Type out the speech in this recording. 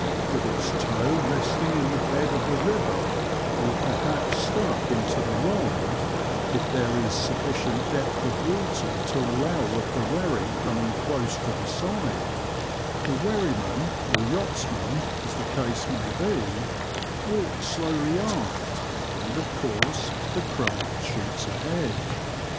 idth its toe resting in the bed of the river, or perhaps stuck into the rond, if there is sufficient depth of virater to allow of the wherry coming close to the side, the wherryman, or yachtsman, as the case may be, walks slowly aft, and of course the craft shoots ahead.